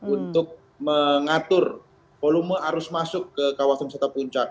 untuk mengatur volume arus masuk ke kawasan wisata puncak